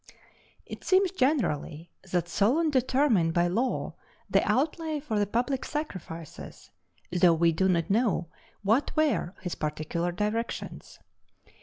It seems generally that Solon determined by law the outlay for the public sacrifices, though we do not know what were his particular directions.